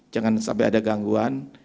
jangan sampai ada gangguan